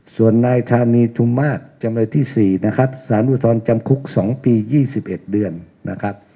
ส่วนนายธานีทุมมากจำเลยที่สี่สานุทรจำคุก๒ปี๒๑เดือน